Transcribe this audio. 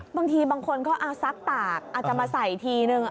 บางทีบางคนก็เอาซักตากอาจจะมาใส่ทีนึง